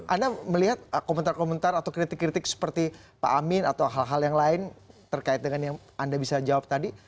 anda melihat komentar komentar atau kritik kritik seperti pak amin atau hal hal yang lain terkait dengan yang anda bisa jawab tadi